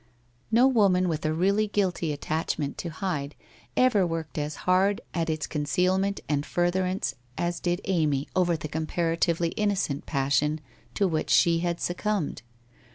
No woman with a really guilty attachment to hide 68 WHITE ROSE OF WEARY LEAF ever worked as hard at its concealment and furtherance as did Amy over the comparatively innocent passion to which she had succumbed.